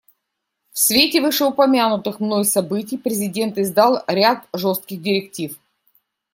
В свете вышеупомянутых мной событий президент издал ряд жестких директив.